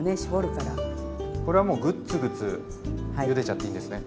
これはもうグッツグツゆでちゃっていいんですね？